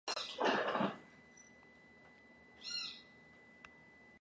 La etimología del antropónimo "Nuño" está sin resolver.